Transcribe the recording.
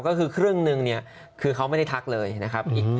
ก็คือครึ่งหนึ่งเนี่ยคือเขาไม่ได้ทักเลยนะครับ